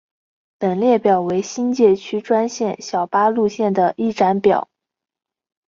本列表为新界区专线小巴路线的一览表。